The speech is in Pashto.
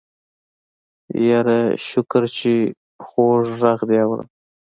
يره شکر چې خوږ غږ دې اورم.